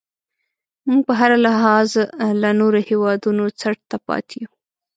موږ په هر لحاظ له نورو هیوادونو څټ ته پاتې یو.